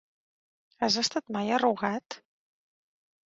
Has estat mai a Rugat?